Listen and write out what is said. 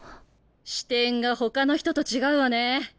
視点がほかの人と違うわね。